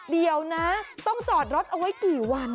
เดี๋ยวนะต้องจอดรถเอาไว้กี่วัน